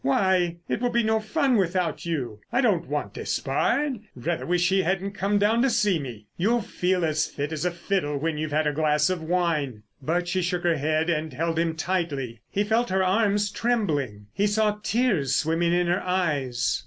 "Why, it will be no fun without you. I don't want Despard! Rather wish he hadn't come down to see me. You'll feel as fit as a fiddle when you've had a glass of wine." But she shook her head, and held him tightly. He felt her arms trembling. He saw tears swimming in her eyes.